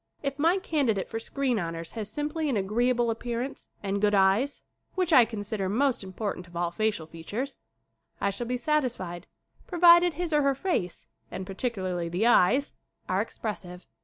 If my candidate for screen honors has sim ply an agreeable appearance and good eyes which I consider most important of all facial features I shall be satisfied provided his or her face, and particularly the eyes, are expres sive.